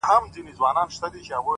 • څوك به اوري كرامت د دروېشانو,